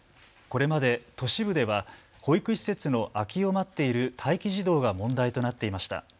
これまで都市部では保育施設の空きを待っている待機児童が問題となっていました。